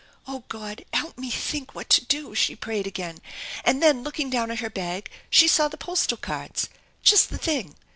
" Oh God ! Help me think what to do !" she prayed again, and then looking down at her bag she saw the postal cards. Just the thing!